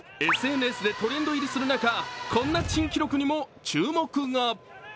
ＳＮＳでトレンド入りする中こんな珍記録にも注目が。